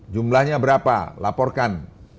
jumlahnya berapa laporkan